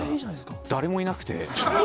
誰もいなくて。